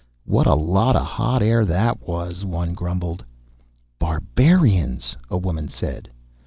"What a lot of hot air that was," one grumbled. "Barbarians!" a woman said.